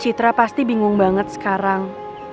citra pasti bingung banget sekarang